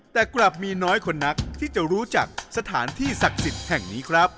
แต่กลับมีน้อยคนนักที่จะรู้จักสถานที่ศักดิ์สิทธิ์แห่งนี้ครับ